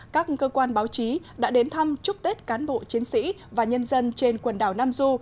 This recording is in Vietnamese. các cơ quan báo chí đã đến thăm chúc tết cán bộ chiến sĩ và nhân dân trên quần đảo nam du